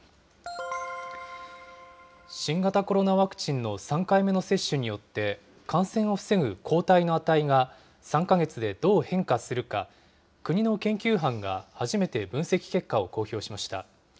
新型コロナワクチンの３回目の接種によって、感染を防ぐ抗体の値が、３か月でどう変化するか、国の研究班が初めて分析結果を公表しました。